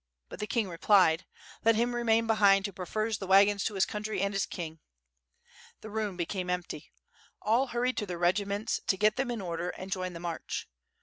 But the king replied: "Let him remain behind who prefers the wagons to his country and his king." The room became empty. All hurried to their reginients to get them in order and join the march.